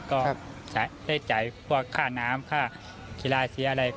ก็ได้จ่ายพวกค่าน้ำค่ากีฬาเสียอะไร